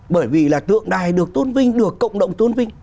bởi vì là tượng đài được tôn vinh được cộng đồng tôn vinh